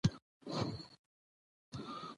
طبیعت زموږ پاملرنې او ساتنې ته اړتیا لري